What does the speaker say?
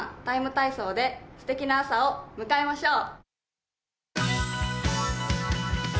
ＴＩＭＥ，体操」ですてきな朝を迎えましょう。